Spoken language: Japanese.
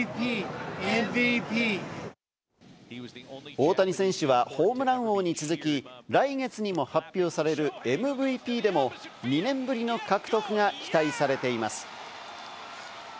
大谷選手はホームラン王に続き、来月にも発表されるＭＶＰでも２年ぶりの獲得が期待されています。